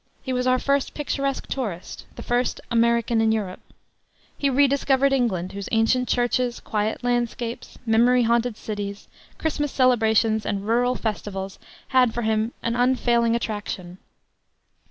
He was our first picturesque tourist, the first "American in Europe." He rediscovered England, whose ancient churches, quiet landscapes, memory haunted cities, Christmas celebrations, and rural festivals had for him an unfailing attraction.